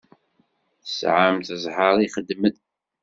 Tesɛamt ẓẓher i ixeddmen.